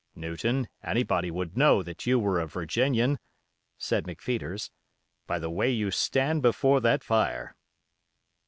"Newton, anybody would know that you were a Virginian," said McPheeters, "by the way you stand before that fire."